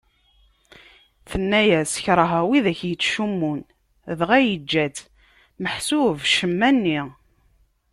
Tenna-yas kerheɣ widak ittcummun, dɣa yeǧǧa-tt ; meḥsub ccemma-nni.